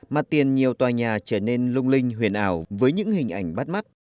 mặt tiền nhiều tòa nhà trở nên lung linh huyền ảo với những hình ảnh bắt mắt